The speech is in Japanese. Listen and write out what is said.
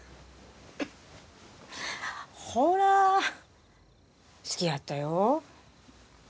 ほらぁ好きやったよ